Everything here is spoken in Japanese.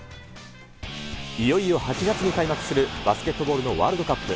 いよいよ８月に開幕するバスケットボールのワールドカップ。